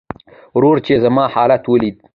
ورور چې زما حالت وليده .